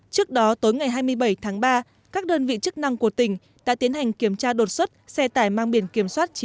trước đó tối ngày hai mươi bảy tháng ba các đơn vị chức năng của tỉnh đã tiến hành kiểm tra đột xuất xe tải mang biển kiểm soát chín mươi bốn c một nghìn năm trăm hai mươi chín